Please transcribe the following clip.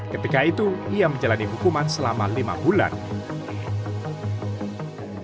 ketika itu ia menjalani hukuman selama lima bulan